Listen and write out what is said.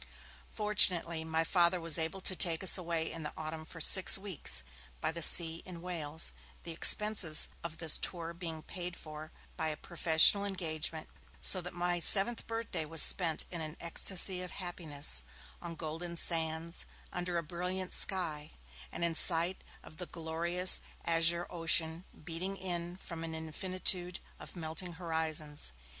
Fortunately my Father was able to take us away in the autumn for six weeks by the sea in Wales, the expenses of this tour being paid for by a professional engagement, so that my seventh birthday was spent in an ecstasy of happiness, on golden sands, under a brilliant sky, and in sight of the glorious azure ocean beating in from an infinitude of melting horizons.